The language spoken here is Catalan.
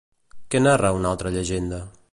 Què narra una altra llegenda?